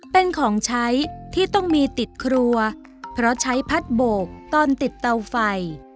เป็นของใช้ที่ต้องมีติดครัวเพราะใช้พัดโบกตอนติดเตาไฟ